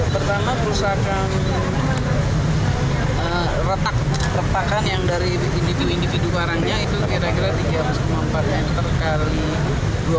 pertama kerusakan retak retakan yang dari individu individu karangnya itu kira kira tiga ratus lima puluh empat